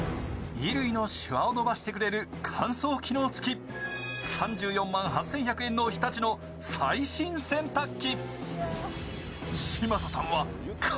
衣類のしわを伸ばしてくれる乾燥機能付き、３４万８１００円の日立の最新洗濯機。